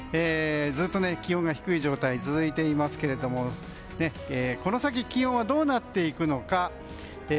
ずっと気温が低い状態が続いていますがこの先気温はどうなっていくのか。